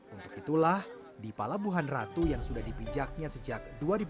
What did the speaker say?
untuk itulah di palabuhan ratu yang sudah dipijaknya sejak dua ribu enam